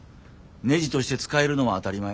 ねじとして使えるのは当たり前。